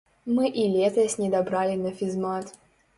Мы і летась недабралі на фізмат.